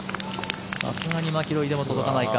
さすがにマキロイでも届かないか。